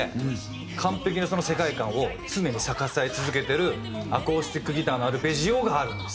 完璧にその世界観を常に支え続けてるアコースティックギターのアルペジオがあるんですよ。